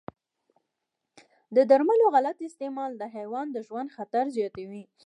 د درملو غلط استعمال د حیوان د ژوند خطر زیاتوي.